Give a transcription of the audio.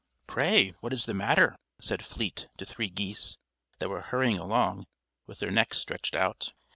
"Pray, what is the matter?" said Fleet to three geese, that were hurrying along, with their necks stretched out.